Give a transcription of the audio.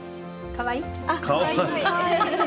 かわいい。